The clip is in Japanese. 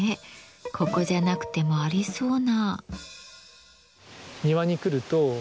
ここじゃなくてもありそうな。